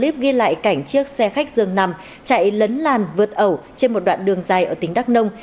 clip ghi lại cảnh chiếc xe khách dường nằm chạy lấn làn vượt ẩu trên một đoạn đường dài ở tỉnh đắk nông